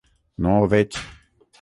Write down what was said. No ho veig.